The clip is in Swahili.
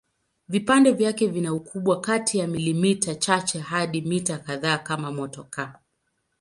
Vipande vyake vina ukubwa kati ya milimita chache hadi mita kadhaa kama motokaa.